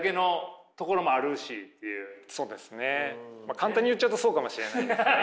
簡単に言っちゃうとそうかもしれないですね。